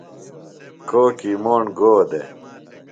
کوکی موݨ گو دےۡ؟